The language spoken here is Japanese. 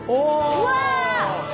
うわ！